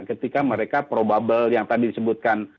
ketika mereka probable yang tadi disebutkan